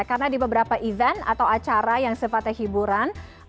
karena di beberapa event atau acara yang sepatah hiburan